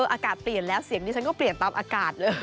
อากาศเปลี่ยนแล้วเสียงดิฉันก็เปลี่ยนตามอากาศเลย